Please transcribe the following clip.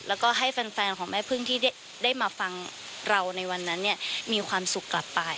แล้วก็ให้แฟนของแม่พึ่งที่ได้มาฟังเราในวันนั้นเนี่ยมีความสุขกลับไป